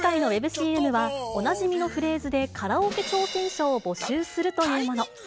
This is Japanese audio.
ＣＭは、おなじみのフレーズで、カラオケ挑戦者を募集するというもの。